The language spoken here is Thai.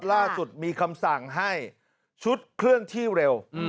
ล่าสุดมีคำสั่งให้ชุดเคลื่อนที่เร็ว